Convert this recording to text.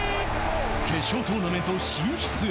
決勝トーナメント進出へ。